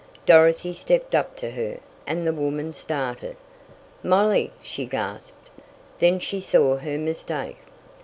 Dorothy stepped up to her, and the woman started. "Molly!" she gasped. Then she saw her mistake.